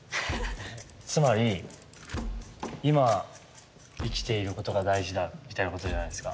つまり「今生きていることが大事だ」みたいなことじゃないですか。